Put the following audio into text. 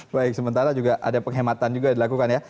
baik sementara juga ada penghematan juga dilakukan ya